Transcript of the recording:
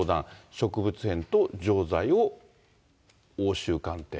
植物片と錠剤を押収鑑定。